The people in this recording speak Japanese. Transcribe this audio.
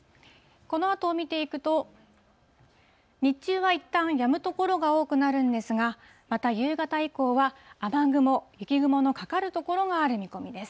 このあとを見ていくと、日中はいったんやむ所が多くなるんですが、また夕方以降は雨雲、雪雲のかかる所がある見込みです。